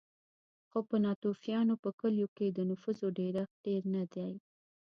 خو په ناتوفیانو په کلیو کې د نفوسو ډېرښت ډېر نه دی